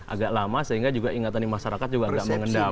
agak lama sehingga juga ingatan di masyarakat juga agak mengendam